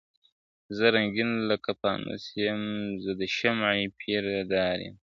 زه رنګین لکه پانوس یم زه د شمعی پیره دار یم !.